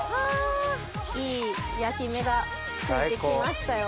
いい焼き目がついて来ましたよ。